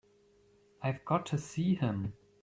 I've got to see him.